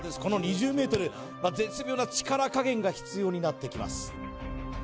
この２０ｍ絶妙な力加減が必要になってきます